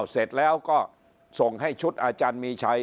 เสร็จแล้วก็ส่งให้ชุดอาจารย์มีชัย